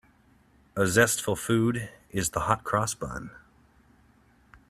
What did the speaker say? A zestful food is the hot-cross bun.